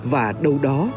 và đâu đó